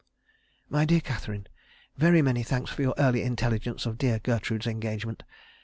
"MY DEAR CATHERINE, "Very many thanks for your early intelligence of dear Gertrude's engagement.